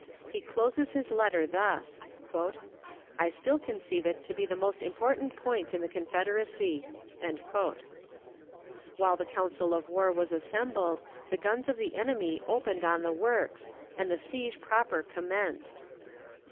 He closes his letter thus: "I still conceive it to be the most important point in the Confederacy." While the council of war was assembled, the guns of the enemy opened on the works, and the siege proper commenced.